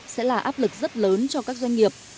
sẽ là áp lực rất lớn cho các doanh nghiệp